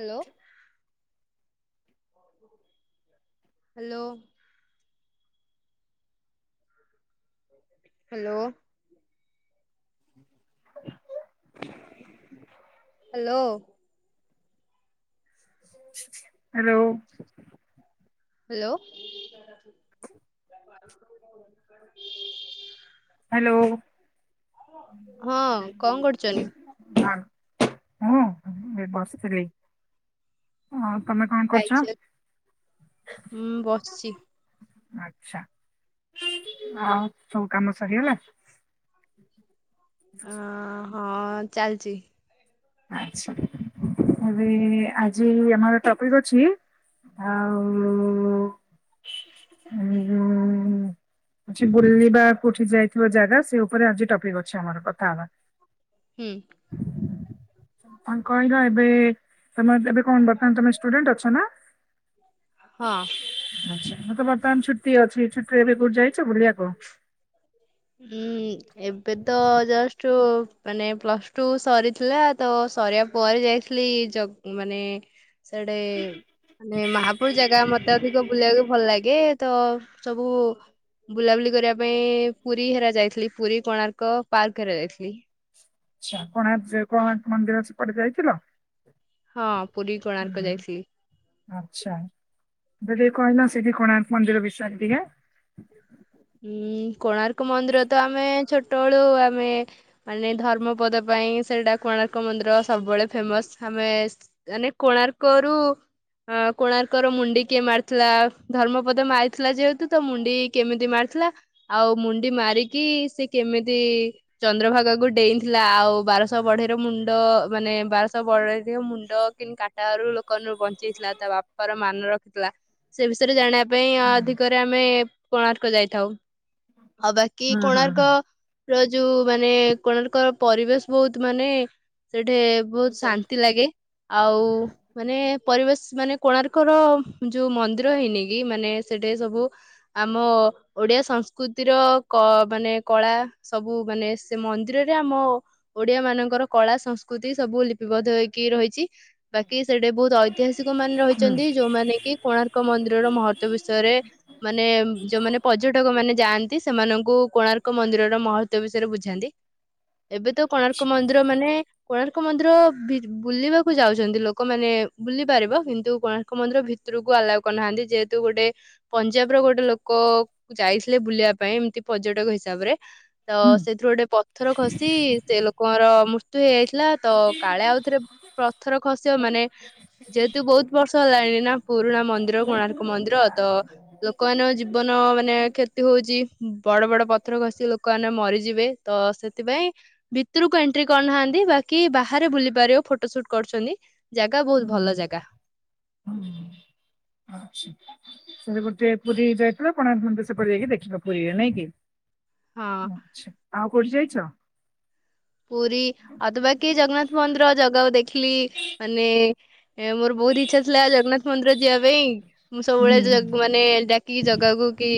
Hello. Hello. Hello. Hello. Hello. Hello. Hello ହଁ। ହଁ କଣ କରୁଛନ୍ତି? ହଁ ଏଇ ବସିଥିଲି ହଁ। ତମେ କଣ କରୁଛ? ଖାଇଚ ହୁଁ ବସିଚି। ଆଛା ଆଉ ସବୁ କାମ ସରିଗଲା? ଅଁ ଚାଲିଚି। ଆଛା ଏବେ ଆଜି ଆମର ଟପିକ ଅଛି ଆଉ ଉ ଉ ଉଁ ଯୋଉ କିଛି ବୁଲିବା କୋଉଠି ଯାଇଥିବା ଜାଗା ସେ ଉପରେ ଆଜି ଟପିକ ଅଛି ଆମର କଥା ହବା। ହୁଁ। କଣ କହିଲ ଏବେ ତମେ ଏବେ କଣ ବର୍ତ୍ତମାନ ତମେ ଷ୍ଟୁଡେଣ୍ଟ ଅଛ ନା? ହଁ ଆଛା ମତେ ପଚ ବର୍ତ୍ତମାନ ଛୁଟି ଅଛି। ଏବେ କୋଉଠି ଯାଇଛ ବୁଲିବାକୁ? [inaudible] ହଁ ଏବେ ତ ଜଷ୍ଟ ମାନେ ପ୍ଲସ ଟୁ ସରିଥିଲା ତ ସରିବା ପରେ ଯାଇଥିଲି ମାନେ ସେଟେ ମାନେ ମହାପୁର ଜାଗା ମତେ ଅଧିକ ବୁଲିବାକୁ ଭଲ ଲାଗେ। ତ ସବୁ ବୁଲାବୁଲି କରିବା ପାଇଁ ପୁରୀ ହେରା ଯାଇଥିଲି ପୁରୀ କୋଣାର୍କ ପାର୍କ ଅରା ଯାଇଥିଲି। ଆଛା କୋଣାର୍କ କୋଣନାଥ ମନ୍ଦିର ସେପଟେ ଯାଇଥିଲ? ହଁ ପୁରୀ କୋଣାର୍କ ଯାଇଥିଲି। ଆଚ୍ଛା ଯ ଟିକି କହିଲ ସେଇଠି କୋଣାର୍କ ମନ୍ଦିର ବିଷାର ଟିକେ। ଉଁ କୋଣାର୍କ ମନ୍ଦିର ତ ଆମେ ଛୋଟବେଳୁ ଆମେ ମାନେ ଧର୍ମପଦ ପାଇଁ ସେଇଟା କୋଣାର୍କ ମନ୍ଦିର ସବୁବେଳେ ଫେମସ ଆମେ ମାନେ କୋଣାର୍କରୁ କୋଣାର୍କର ମୁଣ୍ଡି କିଏ ମାରିଥିଲା ଧର୍ମପଦ ମାରିଥିଲା ଯେହେତୁ ତ ମୁଣ୍ଡି କେମିତି ମାରି ଥିଲା ଆଉ ମୁଣ୍ଡି ମାରିକି ସେ କେମିତି ଚନ୍ଦ୍ରଭାଗାକୁ ଡେଇଁଥିଲା ଆଉ ବାରଶହ ବଢେଇର ମୁଣ୍ଡ ମାନେ ବାରଶହ ବଢେଇ ମୁଣ୍ଡ କି ରୁ ଲୋକ ବଞ୍ଚେଇଥିଲା ତା ବାପାର ମାନ ରଖିଥିଲା ସେ ବିଷୟରେ ଜାଣିବା ପାଇଁ ହଁ ଅଧିକରେ ଆମେ କୋଣାର୍କ ଯାଇ ଥାଉ ଆଉ ବାକି ହଁ ହଁ ହୁଁ କୋଣାର୍କ ର ଯୋଉ ମାନେ କୋଣାର୍କ ପରିବେଶ ବହୁତ ମାନେ। ସେଠି ବହୁତ ଶାନ୍ତି ଲାଗେ ଆଉ ମାନେ ପରିବେଶ ମାନେ କୋଣାର୍କର ଯୋଉ ମନ୍ଦିର ହେଇନି କି ମାନେ ସେଠି ସବୁ ଆମ ଓଡିଆ ସଂସ୍କୃତିର ମାନେ କଳା ସବୁ ମାନେ ସେ ମନ୍ଦିରରେ ଆମ ଓଡିଆ ମାନଙ୍କର କଳା ସଂସ୍କୃତି ସବୁ ଲିପିବଦ୍ଧ ହେଇକି ରହିଛି। ବାକି ସେଠି ବହୁତ ଐତିହାସିକ ମାନେ ରହିଛନ୍ତି ଯୋଉମାନେ କି କୋଣାର୍କ ମନ୍ଦିରର ମହତ୍ଵ ବିଷୟରେ ମାନେ ଯୋଉମାନେ ପର୍ଯ୍ୟଟକ ମାନେ ଯାଆନ୍ତି ସେମାନଙ୍କୁ ଗୁ କୋଣାର୍କ ମନ୍ଦିରର ମହତ୍ଵ ବିଷୟରେ ବୁଝାନ୍ତି। ଏବେ ତ କୋଣାର୍କ ମନ୍ଦିର ମାନେ କୋଣାର୍କ ମନ୍ଦିର ବୁଲିବାକୁ ଯାଉଛନ୍ତି ଲୋକମାନେେ ବୁଲି ପାରିବ କିନ୍ତୁ କୋଣାର୍କ ମନ୍ଦିର ଭିତରକୁ ଆଲାଉ କରୁନାହାନ୍ତି ଯେହେତୁ ଗୋଟେ ପଞ୍ଜାବର ଗୋଟେ ଲୋକ ଯାଇଥିଲେ ବୁଲିବା ପାଇଁ ଏମିତି ପର୍ଯ୍ୟଟକ ହିସାବରେ। ତ ହୁଁ ସେଥିରୁ ଗୋଟେ ପଥର ଖସି ସେ ଲୋକଙ୍କର ମୁ ତ ଏ ଥିଲା ତ କାଳେ ଆଉଥରେ ପଥର ଖସିବ ମାନେ ଯେହେତୁ ବହୁତ ବର୍ଷ ହେଲାଣି ନା ପୁରୁଣା ମନ୍ଦିର କୋଣାର୍କ ମନ୍ଦିର ତ ଲୋକ ମାନଙ୍କ ଜୀବନ ମାନେ। କ୍ଷତି ହଉଛି ବଡ ବଡ ପଥର ଖଷିକି ଲୋକମାନେ ମରିଯିବେ। ତ ସେଥିପାଇଁ ଭିତରକୁ ଏଣ୍ଟ୍ରି କରୁନାହାନ୍ତି ବାକି ବାହାରେ ବୁଲି ପାରିବ ଫଟୋ ସୁଟ କରୁଛନ୍ତି। ଜାଗା ବହୁତ ହୁଁ ଭଲ ଜାଗା ହଁ ଆ। ସେ ଗୋଟେ ପୁରୀ ଯାଇଥିଲା କୋଣାର୍କ ସେପଟେ ଯାଇକି ଦେଖିବା ପୁରୀରେ ନାଇଁ କିି। ହଁ ଆଛା ଆଉ କୋଉଠି ଯାଇଛ? ପୁରୀ ଆଉ ତ ବାକି ଜଗନ୍ନାଥ ମନ୍ଦିର ଜଗାକୁ ଦେଖିଲି ମାନେ। ଏ ମୋର ବହୁତ ଇଚଛା ଥିଲା ଜଗନ୍ନାଥ ମନ୍ଦିର ଯିବା ପାଇଁ ମୁଁ ହୁଁ ହୁଁ ସବୁବେଳେ ମାନେ ଡାକିକି ଜଗାକୁ କି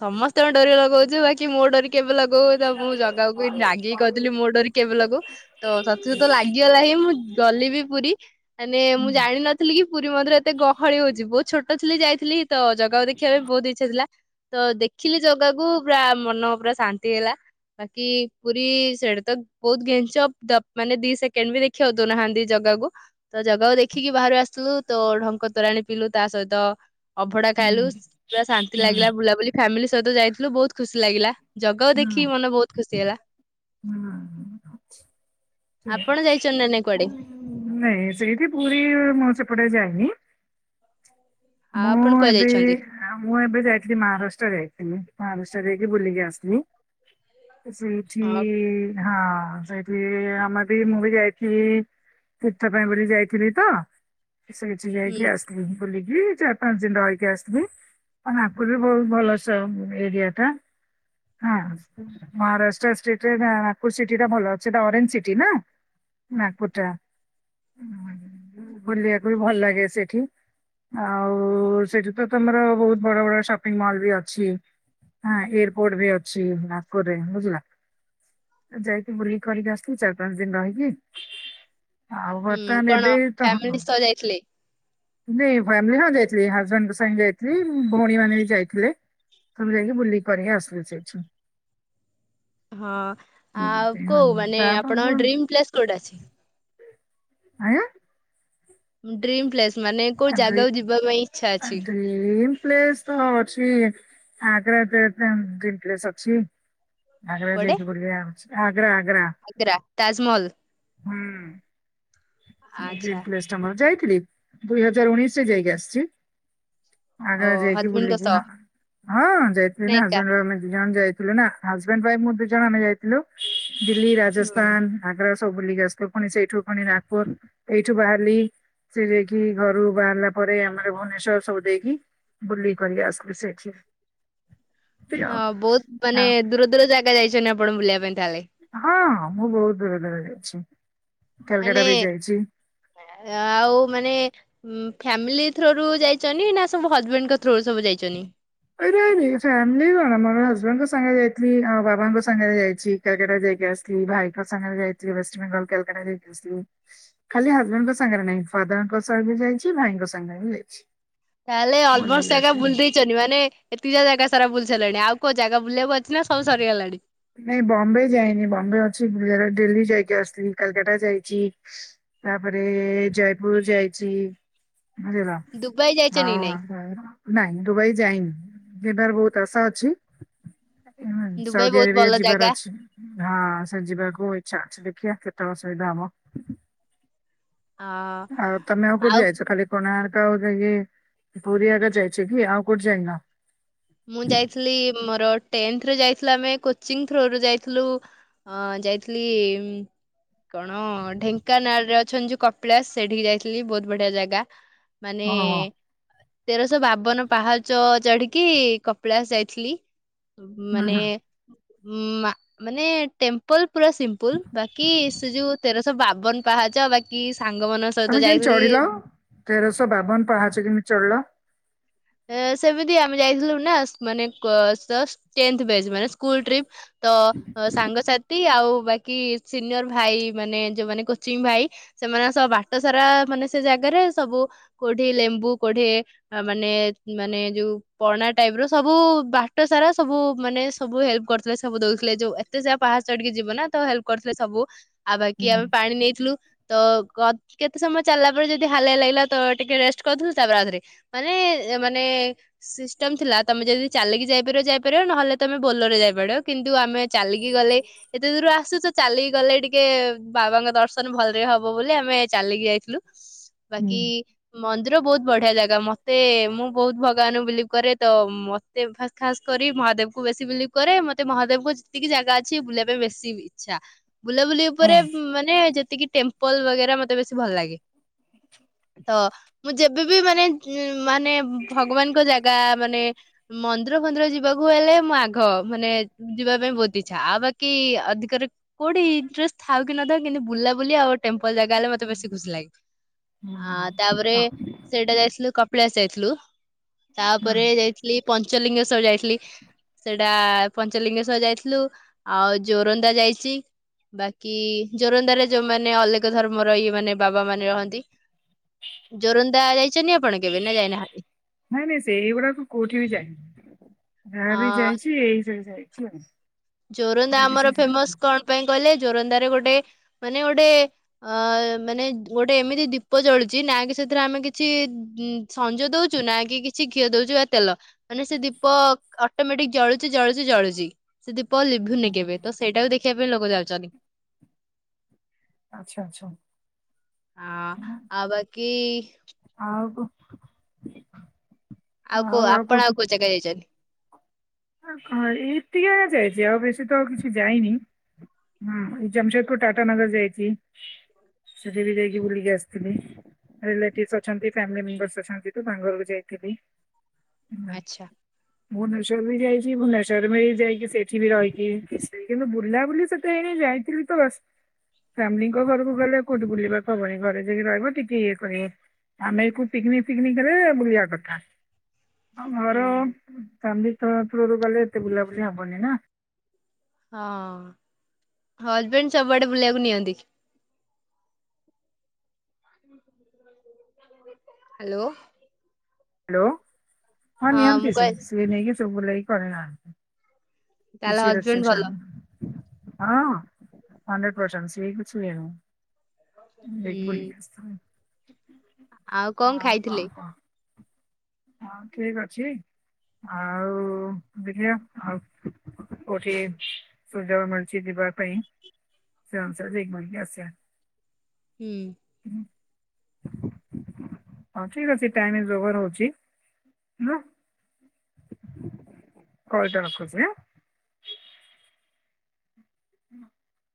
ସମସ୍ତିଙ୍କ ଡୋରି ଲଗାଉଚୁ ବାକି ମୋ ଡୋରି କେବେ ଲଗୁବୁଇନି ତ ମୁଁ ଜାଗାକୁ ଜାଗିକିି ଲି ମୋ ଡୋରି କେବେ ଲଗେଇବୁ ତ ସତ ସତ ଲାଗିଗଲା ହିଁ ମୁଁ ଗଲି ବି ପୁରୀ ମାନେ ମୁଁ ଜାଣିିନଥିଲି କି ପୁରୀ ମନ୍ଦିର ଏତେ ଗହଳି ହଉଚି ବହୁତ ଛୋଟ ଥିଲି ଯାଇ ଥିଲି ତ ଜଗାକୁ ଦେଖିବା ପାଇଁ ବହୁତ ଇଚ୍ଛା ଥିଲା ତ ଦେଖିଲି ଜଗାକୁ ପୁରା ମନ ପୁରା ଶାନ୍ତି ହେଲା ବାକି ପୁରୀ ସେଇଟା ତ ବହୁତ ଘେଞ୍ଚ ତ ମାନେ ଦି ସେକେଣ୍ଡ ବି ଦେଖିବା ହଉ ଦଉନାହାନ୍ତି ଜାଗାକୁ ତ ଜାଗାକୁ ଦେଖିକି ବାହାରୁ ଆସିଲୁ ତ ଢଙ୍କ ତୋରାଣି ପିିଲୁ ତା ସହିତ ଅଭଡା ଖାଇଲୁ ହୁଁ ପୁରା ଶାନ୍ତି ଲାଗିଲା ବୁଲାବୁଲି ଫ୍ୟାମିଲି ସହିତ ଯାଇଥିଲୁ ବହୁତ ଖୁସି ଲାଗିଲା। ଜଗା କୁ ଦେଖିକି ମନ ବହୁତ ଖୁସି ହେଲା। ଆପଣ ଯାଇଛନ୍ତି ନା ନାଇଁ କୁଆଡେ ନଁ ସେଇଠି ପୁରୀ ମୁଁ ସେ ପଟେ ଯାଏ ନି। ଆଉ ମୁଁ ଆପଣ କୁଆଡେ ଏବେ ଯାଇଛନ୍ତି? ମୁଁ ଏବେ ଯାଇଥିଲି ମହାରାଷ୍ଟ୍ର ଯାଇଥିଲି ମହାରାଷ୍ଟ୍ର। ଯାଇକି ବୁଲିକି ଆସିଲି। ତ ସେଇଠୀ ହଁ ହଁ ସେଇଠି ଆମେ ବି ମୁଁ ବି ଯାଇଥିଲି ତୀର୍ଥ ପାଇଁ ବୋଲି ଯାଇଥିଲି ତ ସେଇଠି ଯାଇକି ହୁଁ ଆସିଲି ବୁଲିକି। ହୁଁ। ଚାରି ପାଞ୍ଚ ଦିନ ରହିକି ଆସିବି ଆ ନାଗପୁର ବି ବହୁତ ଭଲ ଏରିଆ ଟା ହ ମହାରାଷ୍ଟ୍ର ଷ୍ଟେଟ୍ ରେ ନାଗପୁର ଟା ଭଲ ଅଛିଟା ଅରେଞ୍ଜ ସିଟି ନା ନାଗପୁର ଟା ବଲିବାକୁ ବି ଭଲ ଲାଗେ ସେଠି। ଆଉ ସେଠି ତ ତମର ବହୁତ ବଡ ବଡ ସପିଙ୍ଗ ମଲ ବି ଅଛି ଏୟାରପୋର୍ଟ ବି ଅଛି ନାଗପୁରରେ ବୁଝିଲ ଯାଇକି ବୁଲିକି କରିକି ଆସିଲି ଚାରି ପାଞ୍ଚ ଦିନ ରହିକି। ଆଉ ହୁଁ ବର୍ତ୍ତମାନ କଣ ଏବେ ତ ହଁ, ଫ୍ୟାମିଲି ସହ ଯାଇଥିଲେ? ନାଇଁ ଫ୍ୟାମିଲି ହଁ ଯାଇଥିଲି ହଜବେଣ୍ଡଙ୍କ ସାଙ୍ଗେ ଯାଇଥିଲି ଭଉଣୀ ମାନେ ବି ଯାଇଥିଲେ ସବୁ ଯାଇକି ବୁଲିକି କରିକି ଆସିଲୁ ସେଠୁ। ହଁ ଆ କୋଉ ମାନେ ଆପଣ ତାପର ଡ୍ରିମ୍ ପ୍ଲେସ୍ କୋଉଟା ଅଛି? ଆଁ ଡ୍ରିମ୍ ପ୍ଲେସ୍ ମାନେ କୋଉ ଜାଗାକୁ ଯିବା ପାଇଁ ଇଚ୍ଛା ଆ ଅଛି ଡ୍ରିମ୍ ପ୍ଲେସ୍ ତ ଅଛି ଆଗ୍ରା [unintelligible] ଡ୍ରିମ୍ ପ୍ଲେସ ଅଛି। ଆଗ୍ରା କୁଆଡେ? ଯାଇକି ବୁଲିବା ଆ ଆଗ୍ରା ଆଗ୍ରା। ତାଜମହଲ। ହୁଁ ଆଚ୍ଛା ଡ୍ରିମ୍ ପ୍ଲେସ ଟା ମୋର ଯାଇ ଦୁଇ ହଜାର ଉଣେଇଶ ରେ ଯାଇକି ଆସିଛି। ଓ ଆଗ୍ର ଯାଇକି ହଜବେଣ୍ଡଙ୍କ ବୁଲିକି ସହ ହଁ ହଁ ଯାଇଥିଲି ନା ଏକା? ନାଜଣ୍ଡେ ଦି ଜଣ ଯାଇ ହଜବାଣ୍ଡ ୱାଇ ଦ ଜଣ ଆମେ ଯାଇଥିଲୁ ଦିଲ୍ଲୀ ହୁଁ ରାଜସ୍ଥାନ ଆଗ୍ରା ସବୁ ବୁଲିକି ଆସଥିଲୁ ପୁଣି ସେଇଠୁ ପୁଣି ନାଗପୁର ଏଇଠୁ ବାହାରିଲି ସେ ଯାଇକି ଘରୁ ବାହାରିଲା ପରେ ଆମର ଭୁବନେଶ୍ଵର ସବୁ ଦେଇକି ବୁଲ କରିକି ଆସଥିଲୁ ସେଠି। ଏମିତି ଆଉ। ହଁ ବହୁତ ମାନେ ଦୂର ଦୂର ଯାଗା ଏକା ଯାଇଛନ୍ତି, ଆପଣ ବୁଲିବା ପାଇଁ ତାହେଲେ ହଁ ମୁଁ ବହୁତ ଦୂର ଦୂର ଯାଇଚି। ମାନେ ଆଉ ମାନେ ଫ୍ୟାମିଲି ଥ୍ରୋରୁ ଯାଇଛନ୍ତି, ନା ସବୁ ହଜବେଣ୍ଡଙ୍କ ଥ୍ରୋ ରୁ ସବୁ ଯାଇଛନ୍ତି। ଫାମିଲି କଣ ମୋର ହଜବେଣ୍ଟ ଙ୍କ ସହ ସାଙ୍ଗରେ ଯାଇଥିଲି, ଆଉ ବାବାଙ୍କ ସାଙ୍ଗରେ ଯାଇଛି, କାଲକାଟା ଯାଇକି ଆସଥିଲି, ଭାଇଙ୍କ ସାଙ୍ଗରେ ଯାଇଥିଲି, ୱେଷ୍ଟ ବଙ୍ଗଲ କାଲକାଟା ଯାଇକି ଆସଥିଲି, ଖାଲି ହଜବେଣ୍ଡଙ୍କ ସାଙ୍ଗରେ ନାହିଁ, ଫାଦରଙ୍କ ସାଙ୍ଗରେ ଯାଇଛି, ଭାଇଙ୍କ ସାଙ୍ଗରେ ବି ଯାଇଛି। ତାହେଲେ ଅଲଭସ ବୁଲିକି ହେଗା ଆସିଲି ବୁଲି ଦେଇଛନ୍ତି, ମାନେ ଏତିକ ଯା ଜାଗା ସାରା ବୁଲି ସାରିଲେଣି, ଆଉ କୋଉ ଜାଗା ବୁଲିବାକୁ ଅଛି, ନା ସବୁ ସରିଗଲାଣି। ନାଇଁ ବମ୍ବେ ଯାଇନି, ବମ୍ବେ ଅଛି, ଗୁଜ ଡିଲ୍ଲୀ ଯାଇକି ଆସଥିଲି, କାଲକାତା ଯାଇଛି, ତାପରେ ଜୟପୁର ଯାଇଛି। ବୁଝିଲ, ଦୁବାଇ ଯାଇଛନ୍ତି ହଉ କି ନାଇଁ? ନାଇଁ, ଦୁବାଇ ଯାଇନି। ଯିବାର ବହୁତ ଆଶା ଅଛି। ହ ସଉ ଦୁବାଇ [inaudible] ବହୁତ ଭଲ ଯିବାର ଜାଗା ଅଛି, ହଁ ସେ ଯିବାକୁ ଇଛା ଅଛି। ଦେଖିଆ କେତେ ଅସୁବିଧା ହବ। ଅ ଆଉ ତମେ ଆଉ କୋଉଠି ଯାଇଛ, ଖାଲି କୋଣାର ଆଉ ଯ ପୁରୀ ଆଗା ଯାଇଛ, କି ଆଉ କୋଉଠି ଯାଇନ। ମୁଁ ଯାଇଥିଲି, ମୋର ଟେନ୍ଥ ରେ ଯା ଆମେ କୋଚିଂ ଥ୍ରୋ ରୁ ଯାଇଥିଲୁ, ଯାଇଥିଲି କଣ ଢେଙ୍କାନାଳରେ ଅଛନ୍ତି, କପିଳାସ ସେଠିକି ଯାଇଥିଲି, ବହୁତ ବଢିଆ ଜାଗା। ମାନେ ହଁ ହଁ ତେରଶହ ବାବନ ପାହାଚ ଚଢିକି, କପିଲାଶ ଯାଇଥିଲି। ହୁଁ ମାନେ ହୁଁ। ଉଁ, ମାନେ ଟେମ୍ପଲ ପୁରା ସିମ୍ପଲ ବାକି ସେ, ଯୋଉ ତେର ସ ବାବନ ପାହାଚ ବାକି ସାଙ୍ଗ ମାନଙ୍କ ତମେ ସହିତ କେମିତି ଯାଇଥିଲି। ଚଢିଲ ତେରଶହ ବାବନ ପାହାଚ କେମିତି ଚଢିଲ? ସେମିତି ଆମେ ଯାଇଥିଲୁ, ନା ମାନେ ଜଷ୍ଟ ଟେନଥ ବ୍ୟାଚ ମାନେ ସ୍କୁଲ ଟ୍ରିପ ତ ସାଙ୍ଗ ସା ଆଉ ବାକି ସିନିୟର ଭାଇ ମାନେ, ଯୋଉମାନେ କୋଚିଂ ଭାଇ, ସେମାନଙ୍କ ସହ ବାଟ ସାରା ମାନେ ସେ, ଜାଗାରେ ସବୁ କୋଠୀ, ଲେମ୍ବୁ କୋଠୀ ମାନେ ମାନେ ଯଉ ପଣା ଟାଇପ ର ସବୁ, ବାଟ ସାରା ସବୁ ମାନେ ସବୁ ହେଲ୍ପ କରିଥିଲେ। ସବୁ ଦଉଥିଲେ, ଯଉ ଏତେ ସାରା ପାହାଡ ଚଢିକି ଯିବ ନା ତ ହେଲ୍ପ କରିଥିଲେ ସବୁ। ଆଉ ବାକି ହୁଁ ଆମେ ପାଣି ନେଇଥିଲୁ ତ କତ କେତେ ସମୟ ଚାଲିଲା ପରେ ଯଦି ହାଲିଆ ଲାଗିଲା ତ ଟିକେ ରେଷ୍ଟ କରୁଥିଲି ତାପରେ ଆଥରେ ମାନେ ଯେ ମାନେ ସିଷ୍ଟମ ଥିଲା ତମେ ଯଦି ଚାଲିକି ଯାଇପାରିବ ଯାଇପାରିବ ନହେଲେ ତମେ ବୋଲର ରେ ଯାଇପାରିବ କିନ୍ତୁ ଆମେ ଚାଲିକି ଗଲେ ଏତେ ଦୂର ଆସିଛୁ ତ ଚାଲିକି ଗଲେ ଟିକେ ବାବାଙ୍କ ଦର୍ଶନ ଭଲରେ ହବ ବୋଲି ଆମେ ଚାଲିକି ଯାଇଥିଲୁ। ହୁଁ ବାକି ମନ୍ଦ ର ବୋହୁତ ବଢିଆ ଜାଗା ମତେ ମୁଁ ବହୁତ ଭଗବାନ ବିଲିଭ କରେ ତ ମତେ ଖାସ୍ କରି ମହାଦେବ କୁ ବେଶୀ ବିଲିଭ କରେ ମତେ ମହାଦେବଙ୍କ ଯେତିକି ଜାଗା ଅଛି ବୁଲିବା ପାଇଁ ବେଶୀ ଇଚ୍ଛା। ବୁଲାବୁଲି ହଁ। ଉପରେ ମାନେ ଯେତିକି ଟେମ୍ପଲ ବଗେରା ମତେ ବେସି ଭଲ ଲାଗେ ତ ମୁଁ ଯେ ଏବେ ବି ମାନେ ମାନେ ଭଗବାନଙ୍କ ଜାଗା ମାନେ ମ ମନ୍ଦିର ମନ୍ଦିର ଯିବାକୁ ହେଲେ ମୁଁ ଆଗ ମାନେ ଯିବାକୁ ପାଇଁ ବହୁତ ଇଚ୍ଛା ଆଉ ବାକି ଅଧିକରେ କଉଠି ଇଣ୍ଟ୍ରରେଷ୍ଟ ଥାଉ କି ନଥାଉ କିନ୍ତୁ ବୁଲାବୁଲି ଆଉ ଟେମ୍ପଲ ଜାଗା ହେଲେ ମତେ ବେଶୀ ଖୁସି ଲାଗେ ଆ ହୁଁ ତାପରେ ହଉ ହୁଁ ସେଇଟା ଯାଇଥିଲୁ କପିଳାସ ଯାଇଥିଲୁ। ହ୍ୟାଲୋ। ତାପରେ ଯାଇଥିଲି ପଞ୍ଚ ପଞ୍ଚଲିଙ୍ଗେଶ୍ୱର ଯାଇଥିଲି ସେଟା ପଞ୍ଚଲିଙ୍ଗେଶ୍ୱର ଯାଇଥିଲୁ ଆଉ ଜୋରନ୍ଦା ଯାଇଛି ବାକି ଜୋରନ୍ଦାରେ ଯୋଉମାନେ ଅଲେକ ଧର୍ମର ଇଏ ମାନେ ବାବା ମାନେ ରହନ୍ତି ଜୋରନ୍ଦା ଯାଇଛନ୍ତି ଆପଣ କେବେ ନା ଯାଇନାହାନ୍ତି? ଯୋ ନାଇଁ ନାଇଁ ସେଇଗୁଡାକ କୋଉଠି ବି ଯାଇନି। ଯାହା ବି ହଁ ଯାଇଛି ଏଇ ଜାଗା ଯାଇଚି। [unintelligible] ଜୋରନ୍ଦା ଆମର ଫେମସ କଣ ପାଇଁ କହିଲେ ଚୋରନ୍ଦରେ ଗୋଟେ ମାନେ ଗୋଟେ ଅ ମାନେ ଗୋଟେ ଏମିତି ଦୀପ ଜଳୁଛି ନା କି ସେଥିରେ ଆମେ କିଛି ସଞ୍ଜ ଦଉଛୁ ନା କି କିଛି ଘିଅ ଦଉଛୁ ବା ତେଲ ମାନେ ସେ ଦୀପ ଅଟୋମେଟିକ ଜଳୁଛି ଜଳୁଛି ଜଳୁଛି। ସେଦି ଦୀପ ଲିଭୁନି କେବେ ତ ସେଇଟା କୁ ଦେଖ [unintelligible] ଲୋକ ଯାଉଛନ୍ତି। ଆଛା ଆଛା। ଆ ଆଉ ବାକି କି ଆଉ କ ଆଉ କୋଉ ଆପଣ ଆଉ କୋଉ ଜାଗା ଯାଇଛନ୍ତି? [unintelligible] ଯାଇଛି ଆଉ ବେଶୀ ତ ଆଉ କିଛି ଯାଇନି। ହଁ ଜାମଶେଦପୁର ଟାଟାନଗର ଯାଇଛି। ସେଠି ବି ଯାଇକି ବୁଲିକି ଆସିଥିଲି ରିଲେଟିଭ ଅଛନ୍ତି ଫ୍ୟାମିଲି ମେମ୍ବରସ ଅଛନ୍ତି ତ ତାଙ୍କ ଘରୁକୁ ଯାଇଥିଲି। ଆଚ୍ଛା ଭୁବନେଶ ଟା ବି ଯାଇଛି ଭୁବେଶ୍ଵର ବି ଯାଇକି ସେଇଠି ବି ରହିକି କିଛି କିନ୍ତୁ ବୁଲା ବୁଲି ସେତେ ହେଇନି ଯାଇଥିଲି ତ ବାସ ଫ୍ୟାମିଲିଙ୍କ ଘରକୁ ଗଲେ କୋଉଠୁ ବୁଲିବାକୁ ହବନି ଘରେ ଯାଇକି ରହିବ ଟିକେ ଇଏ କରିବ ଆମେ କୋଉ ବୁଲିବା କଥା। ଘର ହୁଁ। ଆମେ ତ ତୁର ରେ ଗଲେ ଏତେ ବୁଲା ବୋଲି ହବନି ନା। ହଁ ହଜବେଣ୍ଡ ସବୁଆଡେ ବୁଲିବାକୁ ନିଅନ୍ତି। ହ୍ୟାଲୋ। ହ୍ୟାଲୋ। ହଁ ନିୟନ୍ତିତି ମୁଁ ସେ କହିଲି ସେ ନେଇକି ତ ବଲେ କରିନା ଆ ତାହେଲେ ପଛିି ର ହଜବେଣ୍ଡ ଭଲ ସେଶାମ ହଁ ହଣ୍ଡ୍ରେଡ ପରସଣ୍ଟ ସକୁ ସକୁ ହୁଁ ଦେଖିବଇସ୍ତା ଆଉ କଣ ଖାଇଥିଲେ। କହ ହଁ ଠିକ ଅଛି ଆଉ ଦେଖିବା। ଆଉ କୋଉଠି ସୁଯୋଗ ମିଳୁଛି ଯିବା ପାଇଁ। ସେ ଅନୁସାରେ ଯାକି ବୁଲ୍କି ଆସିବା। ହୁଁ। ହଁ ଠିକ ଅଛି ଟାଇମ ତ ହଉରହୁଚି ହେଲା। କହିଲ ରକୁଚି ଅଁଆ [inaudible]